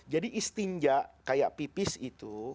jadi istinja kayak pipis itu